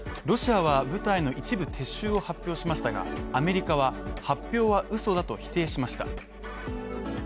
ロシアは部隊の一部撤収を発表しましたがアメリカは、発表はうそだと否定しました。